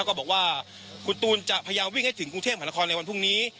แล้วก็บอกว่าคุณตูนจะพยายามวิ่งให้ถึงกรุงเทพมหานครในวันพรุ่งนี้